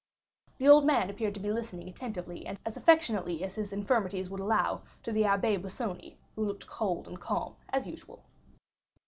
The old man appeared to be listening attentively and as affectionately as his infirmities would allow to the Abbé Busoni, who looked cold and calm, as usual.